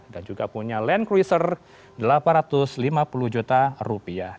dan juga punya land cruiser rp delapan ratus lima puluh juta